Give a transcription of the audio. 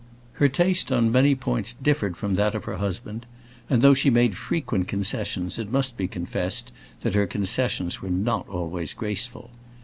Her taste on many points differed from that of her husband, and though she made frequent concessions it must be confessed that her concessions were not always graceful.